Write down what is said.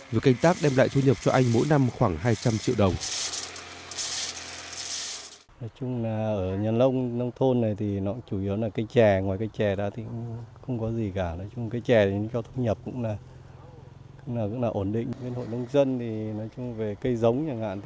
việc canh tác đem lại thu nhập cho anh mỗi năm khoảng hai trăm linh triệu đồng